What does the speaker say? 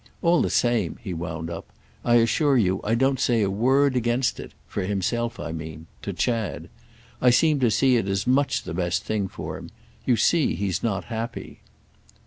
All the same," he wound up, "I assure you I don't say a word against it—for himself, I mean—to Chad. I seem to see it as much the best thing for him. You see he's not happy."